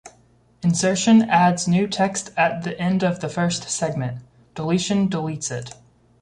Insertion adds new text at the end of the first segment; deletion deletes it.